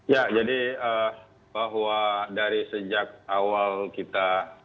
ya jadi bahwa dari sejak awal kita